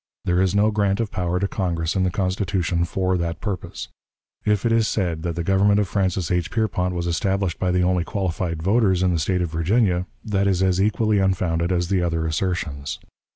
There is no grant of power to Congress in the Constitution for that purpose. If it is said that the government of Francis H. Pierpont was established by the only qualified voters in the State of Virginia, that is as equally unfounded as the other assertions.